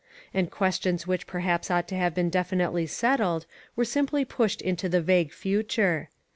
And questions which perhaps ought to have been definitely settled, were simply pushed into the vague future.